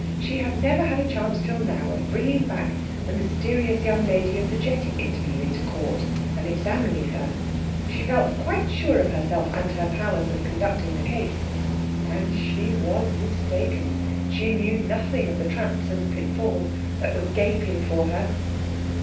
She had never had a chance till now of bringing back the mysterious young lady of the jetty interview into court, and examining her. She felt quite sure of herself and her powers of conducting the case and she was mistaken. She knew nothing of the traps and pitfalls that were gaping for her.